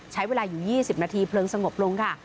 ใช้เวลาอยู่๒๐นาทีเพลิงสงบลงค่ะ